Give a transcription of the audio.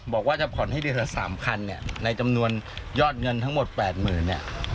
บอกว่าจะผ่อนให้เดือนละ๓๐๐เนี่ยในจำนวนยอดเงินทั้งหมด๘๐๐๐เนี่ย